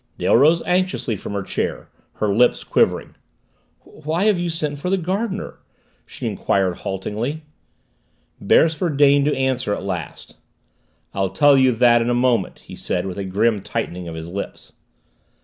Dale rose anxiously from her chair, her lips quivering. "Why have you sent for the gardener?" she inquired haltingly. Beresford deigned to answer at last. "I'll tell you that in a moment," he said with a grim tightening of his lips.